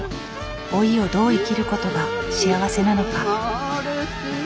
老いをどう生きる事が幸せなのか。